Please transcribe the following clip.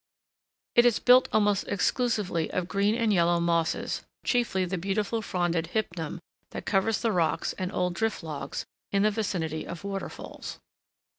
It is built almost exclusively of green and yellow mosses, chiefly the beautiful fronded hypnum that covers the rocks and old drift logs in the vicinity of waterfalls.